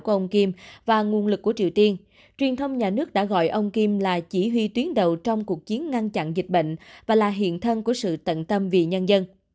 của ông kim và nguồn lực của triều tiên